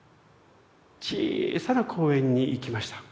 小さな公園に行きました。